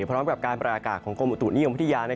พร้อมกับการประกาศของกรมอุตุนิยมวิทยา